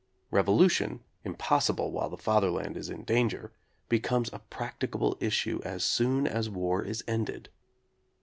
Revolution, impossible while the Father land is in danger, becomes a practicable issue as soon as war is ended.